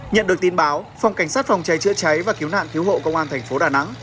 nhận được tin báo phòng cảnh sát phòng cháy chữa cháy và cứu nạn cứu hộ công an thành phố đà nẵng